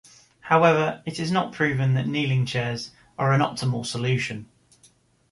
However, it is not proven that kneeling chairs are an optimal solution.